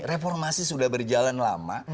reformasi sudah berjalan lama